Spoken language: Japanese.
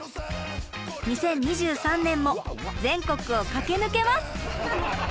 ２０２３年も全国を駆け抜けます！